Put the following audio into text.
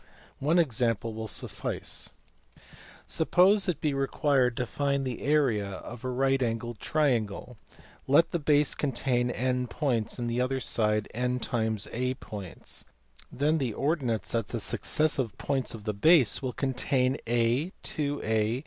One example will suffice. Suppose it be required to find the area of a right angled triangle. Let the base contain n points and the other side na points, then the ordinates at the successive points of the base will contain a, 2a